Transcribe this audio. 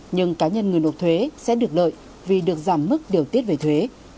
nhưng cá nhân người nộp thuế sẽ được lợi vì được giảm mức điều tiết về thuế